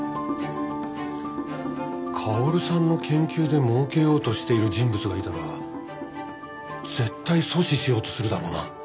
薫さんの研究で儲けようとしている人物がいたら絶対阻止しようとするだろうな。